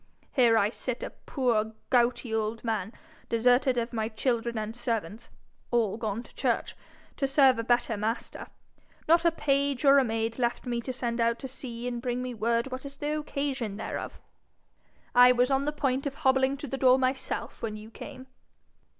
Here I sit, a poor gouty old man, deserted of my children and servants all gone to church to serve a better Master not a page or a maid left me to send out to see and bring me word what is the occasion thereof! I was on the point of hobbling to the door myself when you came.'